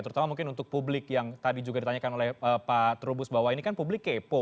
terutama mungkin untuk publik yang tadi juga ditanyakan oleh pak trubus bahwa ini kan publik kepo